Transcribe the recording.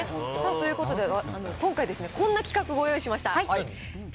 さあ、ということで、今回、こんな企画ご用意しました。